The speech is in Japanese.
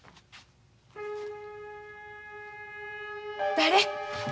誰？